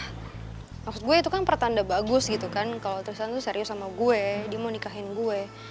maksud gue itu kan pertanda bagus gitu kan kalau tristan itu serius sama gue dia mau nikahin gue